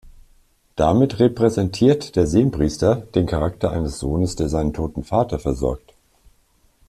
Damit repräsentiert der Sem-Priester den Charakter eines Sohnes, der seinen toten Vater versorgt.